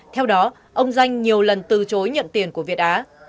theo đó ông danh nhiều lần từ chối nhận tiền của việt á